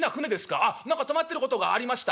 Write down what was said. ああ何か止まってることがありました」。